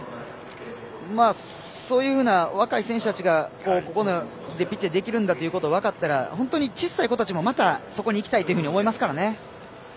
そういうふうな若い選手たちがこのようなピッチでできるんだと分かったら本当に小さい子たちもそこにいきたいと思いますからね。